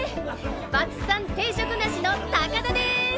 バツ３定職なしの高田です！